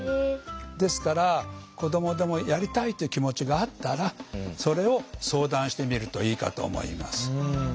ですから子どもでもやりたいという気持ちがあったらそれを相談してみるといいかと思います。